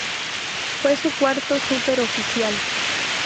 Fue su cuarto "super" oficial.